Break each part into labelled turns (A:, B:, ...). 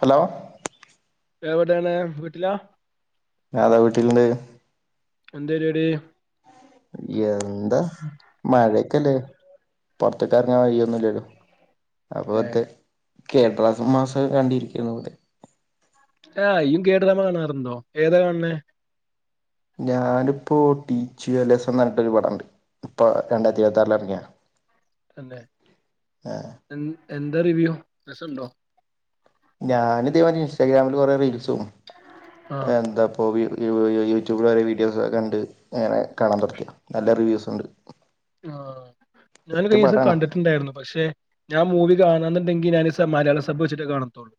A: Hello
B: എവ്ടേണ് വീട്ടിലാ
A: ഞാതാ വീട്ടിലുണ്ട്
B: എന്തേ രിവാടി..
A: എന്താ മഴേക്കല്ലേ. പൊറത്തെക്കെറങ്ങാ വഴിയൊന്നുല്ലല്ലൊ അപ്പ അതെ കേരള മാസം കണ്ടിരിക്കാരുന്നു ഇവിടെ [unintelligible]
B: ആഹ് ഇയ്യും കേട്ടരാമ കാണാറുണ്ടൊ ഏതാ കാണ് ണേ
A: ഞാനിപ്പൊ ടീച്ചു അലേസ എന്നൊ രുപടണ്ട് ഇപ്പൊ രണ്ടായിരത്തി ഇരുപത്താ റിലെറങ്ങിയാ.
B: തന്നേ എ എന്താ റിവ്യൂ രസണ്ടൊ?
A: ഞാനിതേമാരി ഇൻസ്റ്റാഗ്രാമില് കൊറേ റീൽസും
B: ആഹ്
A: എന്താ അപ്പോ യൂ യൂട്യൂബിൽ വേറെ വീഡിയോസ് കണ്ട് ഇങ്ങനെ കാണാ പ്രൊട്ടക്റ്റീവ് നല്ല റിവ്യൂസ് ഉണ്ട്.
B: ആഹ്
A: സെറ്റ്
B: ഞാനൊരീസം
A: പടാണ്
B: കണ്ട് ട്ട്ണ്ടായിരുന്നു പക്ഷെ ഞാൻ മൂവി കാണോന്നുണ്ടെങ്കി ഞാനീ മലയാള സബ് വെച്ചിട്ടേ കാണത്തൊള്ളൂ.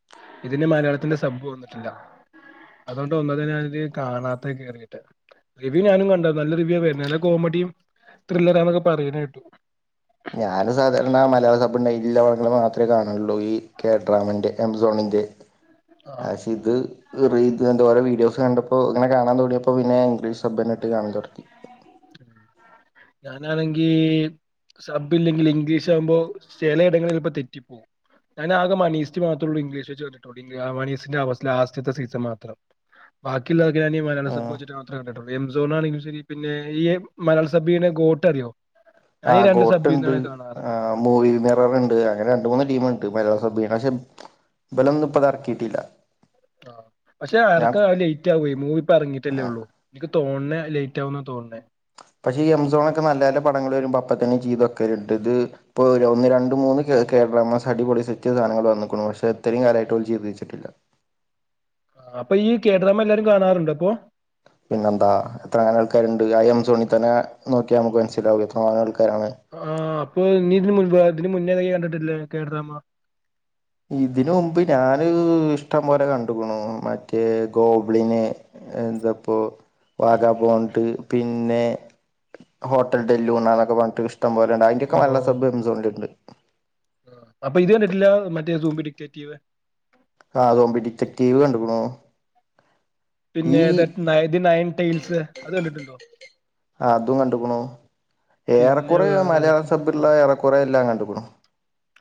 B: ഇതിന് മലയാളത്തിന്റെ സബ്ബ്‌ വന്നിട്ടില്ല അതോണ്ട ഒന്നാത് ഞാനിത് കാണാത്ത കേറീട്ട് റിവ്യൂഞാനും കണ്ടു നല്ല റിവ്യുവാ വർണേ നല്ല കോമഡിയും. ത്രില്ലറാന്നൊക്കെ പറയണേട്ടു
A: ഞാനും സാധാരണ മലയാള സബ്ബ് ന്റെ പടങ്ങള് മാത്രമേ കാണലുള്ളൂ ഈ കേഡ്രാമിന്റെ ആമസോണിന്റെ. ആഹ് ശെ ഇത് റീ ഇത് എന്തോരോ വീഡിയോസ് കണ്ടപ്പോ ഇങ്ങനെ കാണാൻ തോടിയപ്പോ പിന്നെ ഇംഗ്ലീഷ് സബനിട്ട് കാണാൻ തൊടങ്ങി
B: [unintelligible] ഞാനാണെങ്കി സബ് ഇല്ലെങ്കിൽ ഇംഗ്ലീഷ് ആകുമ്പോ ചിലയിടങ്ങളിൽലപ്പോ തെറ്റിപ്പോകും ഞാനാകെ മണീസ്റ്റ് മാത്രേള്ളൂ ഇംഗ്ലീഷ് വെച്ച് കണ്ടിട്ടുള്ളൂ മണീസിന്റെ അവസ ലാസ്റ്റ്ത്തെ സീസൺ മാത്രം ബാക്കിലൊക്കെ ഞാനി മലയാള സബ് വെച്ചിട്ട് മാത്രേ കണ്ടിട്ടുള്ളൂ എം സോൺാണെങ്കും ശരി പിന്നെ ഈ മലയാളസബ്ബെയ്യണ ഗോട്ട് അറിയോ ഞാൻ ഈ
A: ആഹ്
B: രണ്ട് സബിൽ
A: ഗോട്ടുണ്ട്
B: നിന്നാണ് കാണാറ് ആ,
A: ആഹ് മൂവി ണ്ട് അങ്ങനെ രണ്ട് മൂന്ന്
B: ആ,
A: ടീമുണ്ട് മലയാള സബ്ബ് പക്ഷെ ഇബലൊന്നും ഇപ്പതറക്കിയിട്ടില്ല
B: ആ പക്ഷേ എർക്ക ലേറ്റ് ആവേ മൂവി ഇപ്പ ഇറങ്ങീട്ടല്ലേ ഉള്ളു നിക്ക് തോന്നണേ ലേറ്റ് ആവുന്നാ തോന്നണേ
A: പക്ഷേ ഈ എംസോണൊക്കെ നല്ല നല്ല പടങ്ങൾ വരുമ്പോൾ അപ്പംത്തന്നെ ജീതവെക്കലിണ്ട് പക്ഷെ ഇത് ഇപ്പോൾ ഒരു ഒന്ന് രണ്ട് മൂന്ന് കേരളാ മാസ് അടിപൊളി സെറ്റ് സാധനങ്ങൾ വന്നക്കണു പക്ഷെ അത്രയും കാലമായിട്ടും ഓര് ചെയ്ത് വെച്ചിട്ടില്ല
B: ആ, അപ്പൊ ഈ കേഡ്രമ്മ് എല്ലാരും കാണാറുണ്ട് ഇപ്പൊ
A: പിന്നെന്താ എത്രങ്ങനെ ആൾക്കാരുണ്ട് ആ എം സോണിതന്നെ നോക്കിയൽ നമുക്ക് മനസ്സിലാവകും എത്രങ്ങാനും ആൾക്കാരാണ്
B: ആഹ അപ്പൊ നീ ഇതിന് മുമ്പ് ഇതിന് മുന്നേതന്നെ കണ്ടിട്ടില്ലേ കേഡ്രാമ്മ
A: ഇതിന് മുമ്പ് ഞാന് ഇഷ്ടം പോലെ കണ്ട്ക്ണു മറ്റേ ഗോബ്ളിന് എന്താപ്പോ വാഗ പോണ്ട് പിന്നെ ഹോട്ടൽ ഡെല്ലൂണൊക്കെ പറഞ്ഞിട്ട് ഇഷ്ടം പോലെണ്ട്
B: ഓ
A: അയിന്റെക്കെ മലയാളം സബ് എം സോണിലിണ്ട്
B: ആ. അപ്പൊ ഇത് കണ്ടിട്ടില്ല മറ്റേ സൂംമ്പ ഡിക്റ്ററ്റിവ്
A: ആഹ് സൂംമ്പടികറ്ററ്റിവ് കണ്ട്ക്ക്ണു
B: പിന്നെ ഏതാ ന നയൻ ടൈൽസ് അത് കണ്ടിട്ടുണ്ടോ
A: ആഹ് അതും കണ്ട്ക്ണു
B: പിന്നെ
A: ഏറെക്കുറെ
B: വേറെ
A: മലയാള
B: ഏതൊക്കെയാണ്
A: സബ്ള്ള ഏറെക്കുറെ എല്ലാം കണ്ട്ക്ക്ണു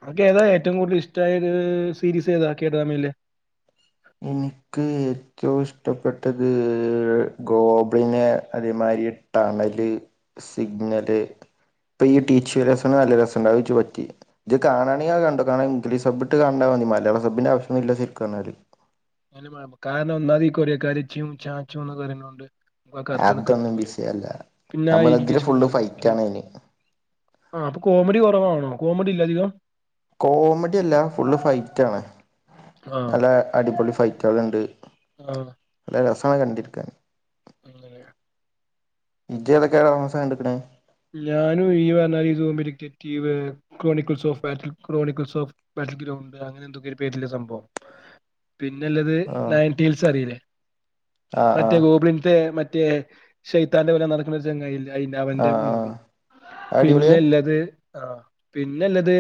B: അനക് ഏതാ ഏറ്റവും കൂടുതൽ ഇഷ്ടമായത് സീരീസ് ഏതാ കേഡ്രമേല്
A: എനിക്ക് ഏറ്റവും ഇഷ്ടപ്പെട്ടത് ഗോബിനെ അതേമാരി ടണല് സിഗ്നല് ഇപ്പൊ ഈ ടീച്ച്വലസ് നല്ല രസണ്ട് അതെച്ച് പറ്റി [unintelligible] ഇത് കാണെങ്ക കണ്ട കാരണം ഇംഗ്ലീ്സബ്ബ്ട്ട് കണ്ടാൽ മലയാള സബ്ന്റെ ആശ്യല്ലാ സരിക്പറഞ്ഞാല്
B: കാരണം ഒന്നാതി ഈ കൊറിയകാരി ച്ചും ചാച്ചുംന്ന് പറയുന്നോണ്ട് [unintelligible] കറക്റ്റ് ആണ്
A: അതൊന്നും
B: കിട്ടുംല്ലേ
A: വിഷയല്ല
B: പിന്നെ ആ
A: നമ്മള് ഇതില്
B: ഇംഗ്ലീഷ്ക്ക്
A: ഫുള്ള്
B: ഇങ്ങനെ
A: ഫൈറ്റ്
B: നോക്കി
A: ആണ് അയിന്
B: ആഹ് അപ്പ കോമഡി കുറവാണോ കോമഡി ഇല്ല അധികം
A: കോമഡി അല്ല ഫുള്ള് ഫൈറ്റാണ്
B: ആ
A: നല്ല അടിപൊളി ഫൈറ്റ്കൾണ്ട്
B: ആ
A: നല്ല രസമാണ് കണ്ടിരിക്കാൻ
B: ഉം ല്ലേ
A: ഇയ്യേതൊക്കെ കേഡ്രമ്സാ കണ്ട്ക്ണ്
B: ഞാനും ഈ പറഞ്ഞാൽ ഇത് സൂംബ്ഡിക്റ്റ്റ്റീവ് chronicles of fat chronicles of battle ground അങ്ങനെ എന്തൊക്കെ ഒരു പേരില സംഭവം പിന്നെല്ലത്
A: ആഹ്
B: നയൻറ്റീൽസ് അറിയില്ലേ
A: ആഹ്
B: മറ്റേ
A: ആഹ് ആഹ്
B: ഗോബിളിൽത്തെ മറ്റേ ശൈത്താന്റെ പോല നടക്കുന്ന ഒരു ചങ്ങായില്ലേ അയ്ന്റ അവന്റെ
A: ആഹ്
B: മൂവി
A: അത് അടിപൊളിയാ
B: പിന്നെല്ലത് ആഹ് പിന്നെല്ലത്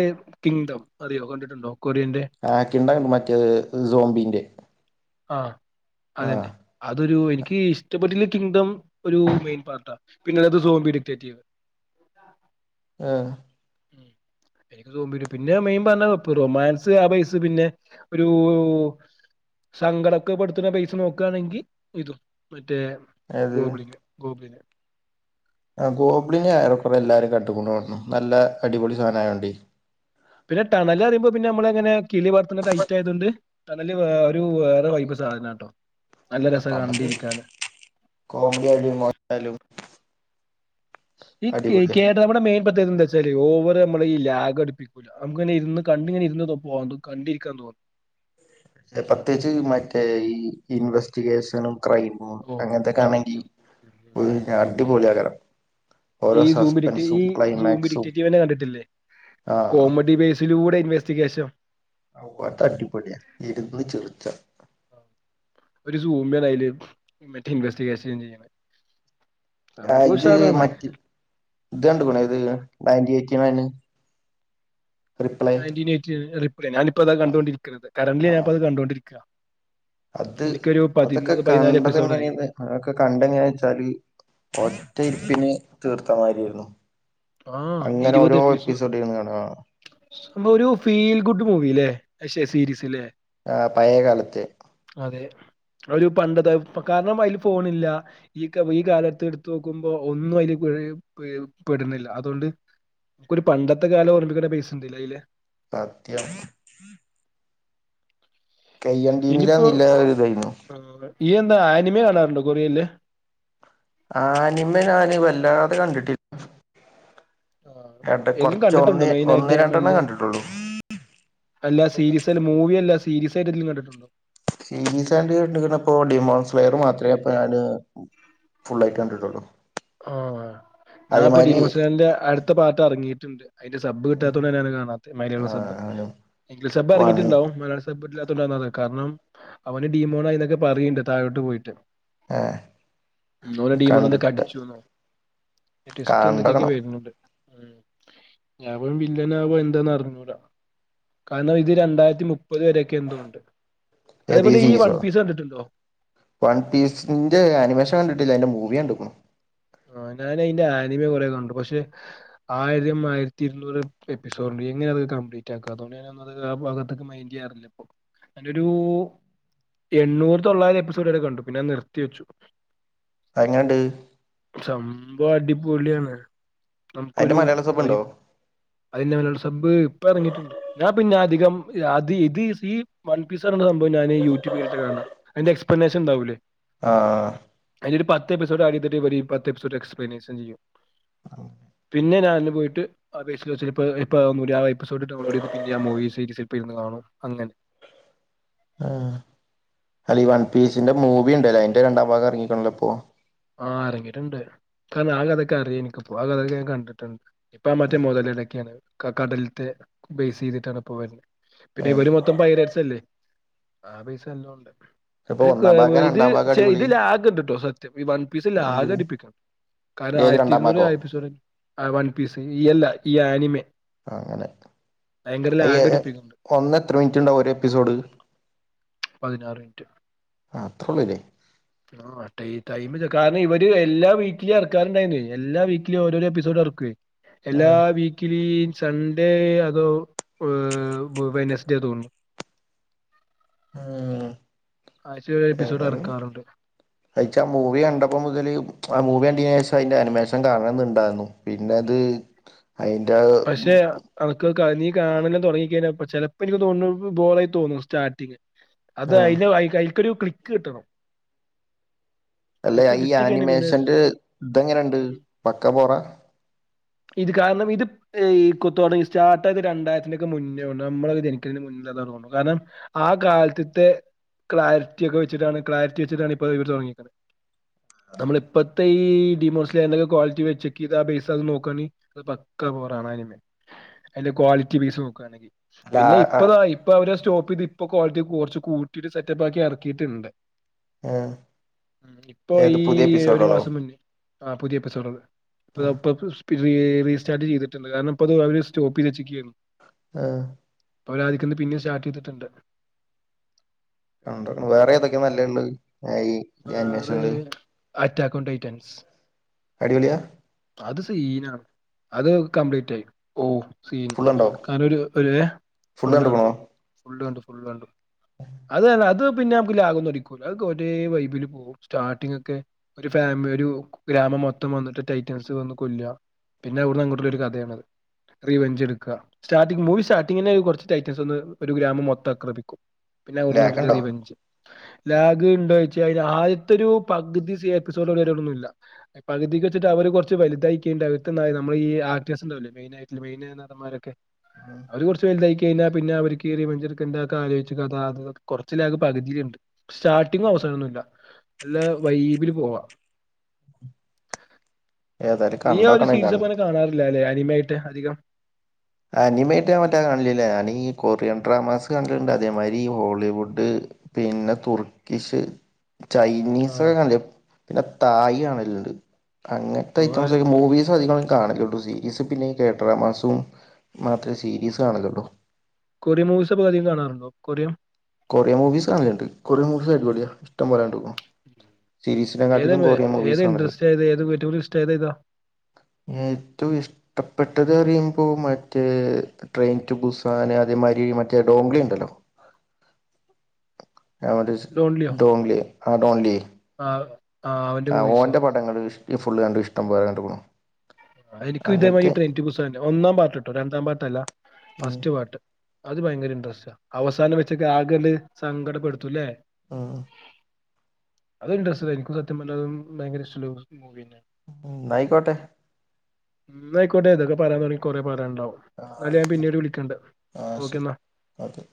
B: കിങ്ഡം അറിയോ കണ്ടിട്ടുണ്ടോ കൊറിയന്റെ
A: ആ കിങ്ണ്ടം മറ്റേ സോംബിന്റെ
B: ആഹ് അതന്നെ അതൊരു എനിക്ക് ഇഷ്ടപ്പെട്ടുള്ള കിങ്ഡം ഒരു മെയിൻ പാർട്ട പിന്നട്ത് സോംബി ഡിക്ടറ്റീവാ [unintelligible]
A: ആഹ്
B: ഉം എനിക്ക് തോന്നിന് പിന്നെ മെയിൻ പറഞ്ഞ റൊമാൻസ് ആ പയസ്സ് പിന്നെ ഒരു സങ്കടൊക്കെ പെടുത്തുന്ന പെയ്സ നോക്കുകയാന്നെങ്കി ഇതും മറ്റേ
A: ഏത്
B: ഗോബ്ളിന് ഗോബിന്
A: ആ ഗോബ്ലിനി ഏറെക്കുറെ എല്ലാരും കട്ടുകൊണ്ട് നടക്കുന്നു
B: ഉം
A: നല്ല അടിപൊളി സാധനായോണ്ടെ
B: പിന്നെ ടണൽ അറിയ്മ്പൊ പിന്നെ നമ്മളെങ്ങനെ കിളി വർത്ത ടൈറ്റ് ആയത് കൊണ്ട് ടണല് വേ ഒരു വേറെ വൈബ് സാധന ട്ടോ
A: ആഹ് ടനല് കോമഡി ആയാലും അതായാലും
B: ഈ കേ കേദ വർമയുടെ മെയിൻ പദ്ധതി എന്താച്ച ചാല് ഓവറ് അമ്മളെ ഈ ലാഗ് അടിപ്പിക്കൂല്ല നമ്മക്ക് ഇങ്ങനെ ഇരുന്ന് കണ്ടിങ്ങെ ഇരുന്ന് പോവാ കണ്ടിരിക്കാൻ തോന്നും
A: പ്രത്യേകിച്ച് മറ്റേ ഈ ഇൻവെസ്റ്റിഗേഷനും ക്രൈം മ്
B: ഓഹ്
A: അങ്ങനത്തൊക്കെ ആണെങ്കിൽ
B: സത്യം. ഉം ഉം.
A: ഒരു അടിപൊളി ആകണം
B: ഈ സൂംഡിക്റ്റീവ് ഈ സൂംഡിക്റ്റീറ്റീവ് തന്നെ കണ്ടിട്ടില്ലേ
A: ആഹ്
B: കോമഡി ബേസ് റ്റിലൂടെ ഇൻവെസ്റ്റിഗേഷം
A: ഓ അത് അടിപൊടിയാ ഇരുന്ന് ചെറിച്ച
B: ഒരു സൂമേ ലൈൻല് ഇൻവെസ്റ്റിഗേഷൻ ചെയ്യണെ സംഭവം
A: ഇത്
B: ഉഷാറാണ്.
A: മറ്റ് ഇത്ണ്ട് പോണേ ഇത് ninety eighty nine reply
B: nineteen eight ഞാനിപ്പ അതാ
A: ആഹ്
B: കണ്ടോണ്ടിരിക്കണത് കറന്റലി ഞാൻ
A: ആഹ്
B: അത് കണ്ടോണ്ടിരിക്ക
A: അത്
B: എനിക്കൊരു
A: അതൊക്കെ
B: പതിമൂന്ന് പതിനാല്
A: കണ്ടത്
B: എപ്പിസോഡായി
A: എങ്ങനെയെന്ന് അതൊക്കെ കണ്ടങ്ങാ വെച്ചാല് ഒറ്റയിരിപ്പിന് തീർത്തമാരിയാരുന്നു
B: ആഹ്
A: അങ്ങനെ ഓരോ എപ്പിസോഡ് ഇരുന്ന് കാണ ആഹ്
B: സംഭവം ഒരു ഫീൽ ഗുഡ് മൂവില്ലേ പക്ഷെ സീരീസ്സ്ലേ
A: ആഹ് പഴേ കാലത്തെ
B: അതെ ഒരു പണ്ടത്തെ കാരണം അതില് ഫോണില്ല ഈ കാ ഈ കാലത്ത് എടുത്ത് നോക്കുമ്പോ ഒന്നും അതില് പെ പെ പെടുന്നില്ല അതുകൊണ്ട് ഒരു പണ്ടത്തെ കാലം ഓർമ്മപ്പിക്കേണ്ട പെയ്സ്ഉണ്ട് ല്ലെ അയില്
A: സത്യം കയ്യണ്ടിന്നില്ല നില്ല ഇതായിരുന്നു
B: ആ ഈയെന്താ ആനിമേ കാണാറുണ്ടോ കൊറിയയില്
A: അനിമ ഞാന് വല്ലാതെ കണ്ടിട്ടി
B: ആഹ്
A: എട
B: ഏതങ്കിലും
A: കൊറച്ച്
B: കണ്ടിട്ടുണ്ടോ
A: ഒന്ന് ഒന്ന്
B: മെയിനായിട്ട്
A: രണ്ടെണ്ണം
B: മല്ലെ
A: കണ്ടിട്ടുള്ളൂ
B: അല്ല സീരീസ് അല്ല മൂവിയല്ല സീരിയസ് ആയിട്ട്ങ്കിലും കണ്ടിട്ടുണ്ടോ
A: സീരീസാൻഡ് കണ്ട് ത് പ്പോ ഡിമോൺസ്ലെയർ മാത്രമേ അപ്പ ഞാന് ഫുൾയിട്ട് കണ്ടിട്ടുള്ളൂ
B: ആഹ് ഞാൻപ്പൊ
A: അതേമാതിരി
B: ഡീമോസ്ലൈന്റെ അടുത്ത പാർട്ട് എറങ്ങീട്ട്ണ്ട് അതിന്റെ സബ് കിട്ടാത്തോണ്ട് തന്നെയാണ് കാണാത്തെ
A: ആ
B: മലയാള സബ് ഇംഗ്ലീഷ് സബ്
A: വൺ
B: ഇറങ്ങിട്ടുണ്ടാവും മലയാള സബില്ലാത്തോണ്ടാന്നത് കാരണം അവന് ഡീമോണായി എന്നൊക്കെ പറയുണ്ട് താഴോട്ട് പോയിട്ട്
A: ഏ
B: മ് ഓനെ ഡീമോനെന്തോ
A: കണ്ടിട്ടില്ല
B: കണ്ടി ചൂന്നോ ട്വിസ്റ്റ് എന്തൊക്കെക്കെ
A: കണ്ടക്കണം
B: വരുന്നുണ്ട് ഉം അവൻ വില്ലനാവോ എന്താന്ന് അറിഞ്ഞൂട കാരണം ഇത് രണ്ടായിരത്തി മുപ്പത് വരക്കെ എന്തോണ്ട്
A: ഏതീ സിസോ വൺ പീസിന്റെ ആനിമേഷൻ കണ്ടിട്ടില്ല അതിന്റെ മൂവി കണ്ട്ക്ക്ണു
B: ആഹ് ഞാൻ അയിന്റെ ആനിമ കൊറെ കണ്ട് പഷെ ആയിരം ആയിരത്തി ഇരുന്നൂറ് എപ്പിസോഡ്ണ്ട് എങ്ങനെ അത് കംപ്ലീറ്റ് ആക്കും അതോണ്ട് ഞാനാ ന്നത് കാരണം ആ ഭാഗത്തൊക്കെ മയിന്റയ്യാറില്ല ഇപ്പൊ ഞാനൊരു എണ്ണൂറ് തൊള്ളായിരം എപ്പിസോഡ് വരെ കണ്ടു പിന്നെ അത്‌ നിർത്തി വെച്ചു
A: എങ്ങനെണ്ട്
B: സംഭവം അടിപൊളിയാണ്
A: അതിന്റെ
B: നമുക്കൊരു
A: മലയാള സബ് ഉണ്ടോ
B: വൈബ് അതിന്റെ മലയള സബ്ബ് ഇപ്പ എറങ്ങിയിട്ടുണ്ട് ഞാൻ പിന്നെ അധികം അത് ഇത് [unintelligible] വൺ പീസ് അറിന ആ സംഭവം ഞാന് യൂട്യൂബ് ല്ട്ട് കാണാ അതിന്റെ എക്സ്പ്ലനേഷൻ ഇണ്ടാവൂലേ
A: ആഹ്
B: അയില് ഒരു പത്ത് എപ്പിസോഡ് ആടയ്തിട്ട് ഒര് പത്ത് എപ്പിസോഡ് എക്സ്പ്ലനേഷൻ ചെയ്യും പിന്നെ ഞാന് പോയിട്ട് അപേക്ഷില് ചെല് പ്പോ ഇപ്പൊ [unintelligible] എപ്പിസോഡ് ഡൗൺലോഡ് ചെയ്ത് പിന്നെ ആ മൂവിസീ [unintelligible] ഇര്ന്ന് കാണും അങ്ങനെ
A: ആഹ് അല്ല ഈ വൺ പീസിന്റെ മൂവിണ്ടല്ലോ അതിന്റെ രണ്ടാം ഭാഗം എറങ്ങിക്ക്ണല്ലോ ഇപ്പോ
B: ആഹ് അറങ്ങിട്ട്ണ്ട് കാരണം ആ കഥൊക്കെ അറിയ എനിക്ക് ആ കഥൊക്കെ ഞാൻ കണ്ട്ട്ട്ണ്ട് ഇപ്പൊ മറ്റേ മുതലടക്കെണ് കടൽത്തെ ബേസ് ചെയ്തിട്ടാണ് ഇപ്പ വരുന്നത് പിന്നെ
A: ഏഹ്
B: ഇവര് മൊ ത്തും പൈരട്ച്ചല്ലേ ആ പൈസ എല്ലാംണ്ട്
A: ഇപ്പൊ
B: പിന്നെ
A: ഒന്നാം ഭാഗം
B: [unintelligible] ഇത്
A: രണ്ടാം ഭാഗം
B: പക്ഷെ
A: അടിപൊളി
B: ഇതില ആകണ്ട്ട്ടോ സത്യം ഈ വൺ പീസ് ഇല്ല
A: എന്ത്
B: ആഘടിപ്പിക്കും കാരണം
A: ഏത്
B: ആയിരത്തി
A: രണ്ടാം
B: ഇരുന്നൂറ്
A: ഭാഗോ
B: ആയി ആ വൺ പീസ് ഇ അല്ല ഈ ആനിമി
A: അങ്ങനെ അയ്യ
B: അടിപ്പിക്കുന്നുണ്ട്
A: ഒന്ന് എത്ര മിൻറ്റ്ണ്ടാവും ഒരു എപ്പിസോഡ്
B: പതിനാറ് മിൻറ്റ്
A: ആത്രള്ളൂല്ലേ
B: ആ ട്ടൈ ടൈമ് ഇല്ല കാരണം ഇവര് എല്ലാ വീക്കിലും എറക്കാറുണ്ടായിരുന്നു. എല്ലാ വീക്കിലും ഓരോരോ എപ്പിസോഡ് എറക്കേ എല്ലാ
A: ആഹ്
B: വീ ക്കിലീ സൺഡേ അതോ വെനസ്ഡേ തോന്നുന്നു
A: ആഹ്
B: ആശയ എപ്പിസോഡ് എറക്കാറുണ്ട്
A: അയ്ച്ചാ മൂവി കണ്ടപ്പോ മുതല് ആ മൂവി കണ്ടന് ശേഷം അതിന്റെ അനിമേഷൻ കാണണം ന്നുണ്ടായിരുന്നു പിന്നെ അത്
B: [inaudible]
A: അയ്ന്റാത്
B: പക്ഷെ അവക്ക് ക്ക് നീ കാണല് തൊടങ്ങിക്കഴിഞ്ഞ ചെലപ്പോ എനിക്ക് തോന്നുന്നു ബോറായി തോന്നുന്നു സ്റ്റാർട്ടിംഗ് അത്
A: ആഹ്
B: അയിന് അയ്ക്കൊരു ക്ലിക്ക് കിട്ടണം
A: അല്ലെ
B: പിക്ക്
A: ഈ
B: കിട്ടിക്കഴിഞ്ഞ പിന്നെ
A: ആനിമേഷന്റെ ഇതെങ്ങനെണ്ട് പക്ക ബോറ
B: ഇത് കാരണം ഇത് ഏഹ് ഈ കുത്തോടെ ഈ സ്റ്റാർട്ട്ത് രണ്ടായിരത്തിനൊക്കെ മുന്നേ നമ്മളക്കെ ജനിക്ക്ണെന്റെ മുന്നാത തോന്നുന്നു കാരണം ആ കാലത്ത്ത്തെ ക്ലാരിറ്റി ഒക്കെ വെച്ചിട്ടാണ് ക്ലാരിറ്റി വെച്ചിട്ടാണ് ഇപ്പൊ ഇവര് തൊടങ്ങീക്ക്ണ് നമ്മള് ഇപ്പത്ത ഈ ഡിമോസി [unintelligible] വച്ചക്കിത പൈസ നോക്കാണി പക്ക ബോ [unintelligible] അയിന്റെ ക്വാളിറ്റി ബൈസ് നോക്കാണെങ്കി
A: അല്ല
B: പിന്നെ
A: ആ ആ
B: ഇപ്പതാ ഇപ് ഇപ്പൊ അവരെ സ്റ്റോപ്പ് ഇതിപ്പൊ ക്വാളിറ്റി കൊർച്ച് കൂട്ടിട്ട് സെറ്റപ്പാക്കി എറക്കീട്ട്ണ്ട്
A: ഏഹ്
B: ഇപ്പൊ
A: ഏത്
B: ഈ
A: പുതിയ
B: ഒരു
A: എപ്പിസോഡുകളോ
B: മാസം മുന്നേ ആ പുതിയ എപ്പിസോഡ് ത് ഇപ്പതാ ഇപ്പൊ റീ റീസ്റ്റാർട്ട് ചെയ്തി ട്ട്ണ്ട് കാരണം ഇപ്പത് അവര് സ്റ്റോപ്പൈയ്ത് വെച്ച്ക്കേന്നു
A: ആഹ്
B: ഇപ്പൊ അവരാധിക്കന്ന് പിന്നേം സ്റ്റാർട്ട് ചെയ്തിട്ടുണ്ട്.
A: ഉണ്ട് വേറെ ഏതൊക്കെ നല്ലേള്ളേ ഏ ഈ.
B: വേറെ
A: ആനിമേഷനില്
B: അറ്റാക്കോൻടൈറ്റാനിസ്.
A: അടിപൊളിയാ.
B: അത് സീനാണ് അത് കംപ്ലീറ്റായി. ഓഹ് സീന്
A: ഫുള്ളുണ്ടോ
B: കാരണം ഒര് ഒരേ ഫുള്ള് കണ്ടു. ഫുള്ള് കണ്ടു ഫുള്ള്കണ്ടു അതെല്ലാ അത് പിന്നെ നമുക്ക് ലഗോന്നും അടിക്കൂല അതൊക്കെ ഒരേ വൈ ബില് പോവും സ്റ്റാർട്ടിങ്ങൊക്കെ. ഒരു ഫാമി ഒരു ഗ്രാമം മൊത്തം വന്നിട്ട് ടൈറ്റൻസ് വന്ന് കൊല്ലാ. പിന്നെ അവിടുന്ന് അങ്ങോട്ടുള്ളൊരു കഥയാണത് റിവഞ്ചെടുക്കുക. സ്റ്റാർട്ടിങ് മൂവി സ്റ്റാർട്ടിങ്ങെന്നെ കൊറച്ച് ടൈറ്റംസ് വന്ന് ഒരു ഗ്രാമം മൊത്താക്രമിക്കും. പിന്നെ
A: ലാഗ്
B: അവടെന്ന്ങ്ങട്ട്ള്ള
A: ഉണ്ടോ
B: റിവഞ്ച് ലാഗ് ഉണ്ടോയ് ച്ച് കയ്ഞ്ഞ ആദ്യത്തൊരു പകുതി സി എപ്പിസോഡ് വരെ ഒന്നുല്ല. പകുതിക്ക് വച്ചട്ട് അവര് കുറച്ച് വലുതായിക്കേണ്ട് അവർക്ക്ണ്ടായ നമ്മളീ ആർ ടി എസ്ഉണ്ടാവില്ലേ മെയിനായിട്ടള്ള മെയിന്. ഈ നടന്മാരൊക്കെ അവര് കുറച്ച് വൽതായികയ്ഞ്ഞാ പിന്നെ അവർക്ക് റിവഞ്ച്ട്ക്കേണ്ടാക്കെ ആലോയ്ചു കഥ അത്. കുറച്ച് ലാഗ് പകുതീലുണ്ട് സ്റ്റാർട്ടിങും അവസാനൊന്നും. ല്ല നല്ല വൈബില് പോവാ.
A: ഏതായാലും
B: നീ ഒരു സീരീസൊ
A: കണ്ടോക്കണം
B: പോ അങ്ങനെ കാണാറില്ല ല്ലെ അനിമായിട്ട് അധികം.
A: അനിമായിട്ട് മറ്റാ കാണലില്ലാ ഞാനീ കൊറിയൻ ഡ്രാമാസ് കാണലുണ്ട് അതേമാതിരി ഹോളിവുഡ്. പിന്നെ തുർക്കിഷ്.
B: ആ
A: ചൈനീസൊക്കെ കണ്ട് പിന്നെ തായി കാണല്ണ്ട്. അങ്ങനത്തെ
B: ഓ, ആ
A: ഐറ്റംസൊക്കെ മൂവീസും അധികം കാണല്ലൊള്ളൂ സീരീസ് പിന്നെ ഈ കേ ഡ്രാമാസും. മാത്രേ സീരീസ് കാണലൊള്ളൂ.
B: കൊറിയം മൂവിസൊക്കെ അധികം കാണാറുണ്ടോ കൊറിയം.
A: കൊറിയ മൂവീസ് കാണലുണ്ട് കൊറിയ മൂവീസ് അടിപൊളിയാ ഇഷ്ടം പോലെ കണ്ടു. സീരീസിനെ കാട്ടിലും കൊറിയൻ മൂവീസാ കാണല്.
B: ഏത് ഏത് യൂട്യൂബില് ഇസ്റ്റായത് ഏതാ.
A: ഏറ്റവും ഇഷ്ടപ്പെട്ടത് അറിയുമ്പോ മറ്റേ. ട്രെയിൻ ടു ബുസാന് അതേമാതിരി മറ്റേ ഡോംഗ്ലി ഉണ്ടല്ലോ. എവടിസ് ഡോഗ്ലി ആ ഡോഗ്ലി.
B: ആഹ്.
A: ആഹ് ഓന്റെ പടങ്ങള് ഇഷ് ഫുള്ള് കണ്ടു ഇഷ്ടം പോലെ കണ്ടുക്കുണു.
B: ആഹ് എനിക്കും ഇതേമാരി ട്രെയിൻ ടു ബുസ്സാൻ ഒന്നാം പാർട്ട് ട്ടോ രണ്ടാം പാർട്ടല്ല
A: ഉം
B: ഫസ്റ്റ് പാർട്ട്. അത് ഭയങ്കര ഇൻട്രസ്റ്റാ അവസാനം വെച്ചൊക്കെ ആകല് സങ്കടപ്പെടുത്തൂല്ലേ.
A: ആഹ്.
B: അത് ഇട്രസ്റ്റ്ള്ളാ എനിക്കും സത്യം പറഞ്ഞാ അതും ഭയങ്കരഷ്ടല്ല മൂവ്യന്നെ.
A: എന്നായ്ക്കോട്ടെ.
B: എന്നായിക്കോട്ടെ ഇതൊക്കെ പറയാൻ തൊടങ്ങിയാ കൊറേ പറയാണ്ടാവും
A: ആ
B: ന്നാല് ഞാൻ
A: ശരി
B: പിന്നീട് വിളിക്കണ്ട്
A: ആ ശരി
B: ഓക്കെന്നാ.
A: ഓക്കെ.